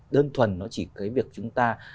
đơn thuần nó chỉ cái việc chúng ta